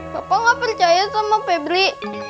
bapak gak percaya sama febri